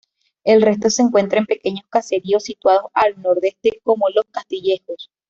El resto se encuentra en pequeños caseríos situados al nordeste como Los Castillejos.